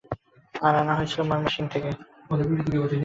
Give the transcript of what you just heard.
আর আনা হয়েছিল ময়মনসিং থেকে।